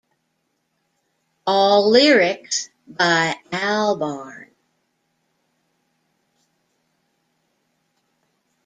All lyrics by Albarn.